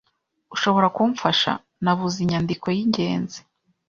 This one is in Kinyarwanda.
Ushobora kumfasha? Nabuze inyandiko y'ingenzi.